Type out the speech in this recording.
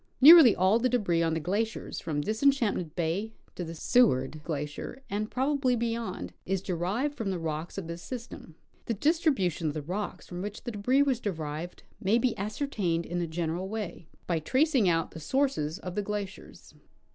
Nearly all the debris on the glaciers from Disenchantment bay to the Seward glacier, and probably beyond, is derived from the rocks of this system. The distribution of the rocks from Avhich the debris was derived may be ascertained in a general way by tracing out the sources of the glaciers.